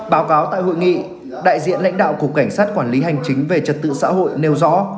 báo cáo tại hội nghị đại diện lãnh đạo cục cảnh sát quản lý hành chính về trật tự xã hội nêu rõ